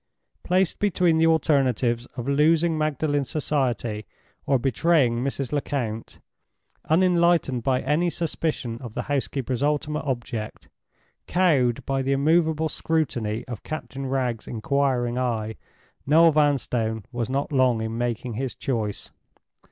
Placed between the alternatives of losing Magdalen's society or betraying Mrs. Lecount, unenlightened by any suspicion of the housekeeper's ultimate object, cowed by the immovable scrutiny of Captain Wragge's inquiring eye, Noel Vanstone was not long in making his choice.